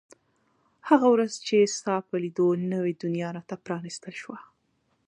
هغه ورځ چې ستا په لیدو نوې دنیا را ته پرانیستل شوه.